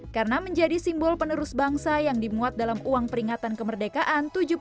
karena menjadi simbol penerus bangsa yang dimuat dalam uang peringatan kemerdekaan